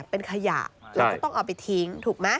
เป็นขยะแล้วก็ต้องเอาไปทิ้งถูกไหม